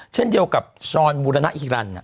เช่นเดียวกับซ่อนบูระนะอีกรัน